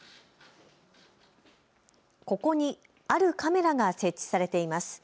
ここにあるカメラが設置されています。